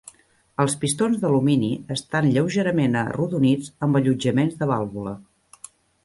Els pistons d'alumini estan lleugerament arrodonits amb allotjaments de vàlvula.